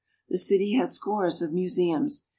The city has scores of museums.